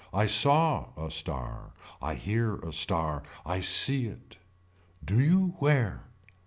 I saw a star. I hear a star. I see it. Do you where.